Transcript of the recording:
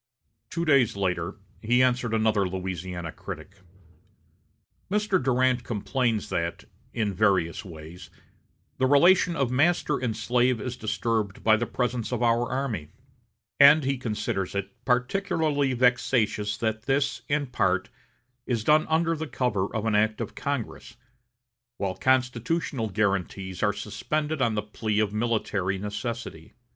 Two days later he answered another Louisiana critic: "Mr. Durant complains that, in various ways, the relation of master and slave is disturbed by the presence of our army, and he considers it particularly vexatious that this, in part, is done under cover of an act of Congress, while constitutional guarantees are suspended on the plea of military necessity.